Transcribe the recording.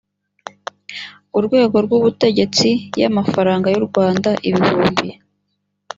urwego rw ubutegetsi y amafaranga y u rwanda ibihumbi